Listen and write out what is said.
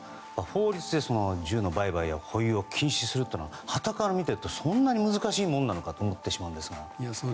法律で銃の売買や保有を禁止することははたから見ているとそんなに難しいものなのかと思ってしまうんですが。